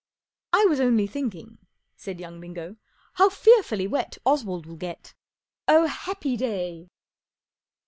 " I was only thinking/ 1 said young Bingo, "how fearfully wet Oswald will get. Oh, happy day